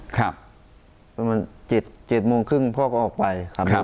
ประมาณ๗โมงครึ่งพ่อก็ออกไปครับ